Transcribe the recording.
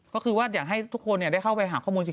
ก็คือว่าอยากให้ทุกคนได้เข้าไปหาข้อมูลจริง